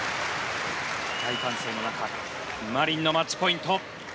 大歓声の中マリンのマッチポイント。